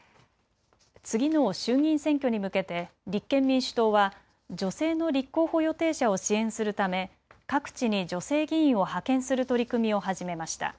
次の衆議院選挙に向けて立憲民主党は女性の立候補予定者を支援するため各地に女性議員を派遣する取り組みを始めました。